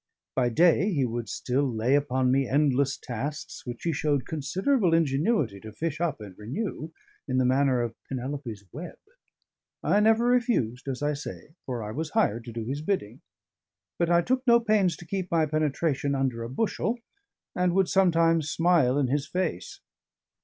By day he would still lay upon me endless tasks, which he showed considerable ingenuity to fish up and renew, in the manner of Penelope's web. I never refused, as I say, for I was hired to do his bidding; but I took no pains to keep my penetration under a bushel, and would sometimes smile in his face.